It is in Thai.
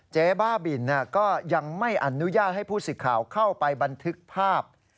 เจ๊บ้าบินก็ยังไม่อนุญาตให้ผู้สิทธิ์ข่าวเข้าไปบันทึกภาพ